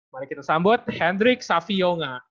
mari kita sambut hendrik savionga